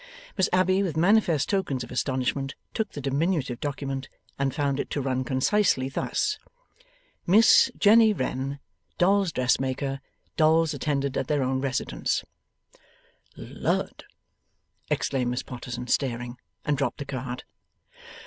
Miss Abbey, with manifest tokens of astonishment, took the diminutive document, and found it to run concisely thus: MISS JENNY WREN DOLLS' DRESSMAKER. Dolls attended at their own residences. 'Lud!' exclaimed Miss Potterson, staring. And dropped the card.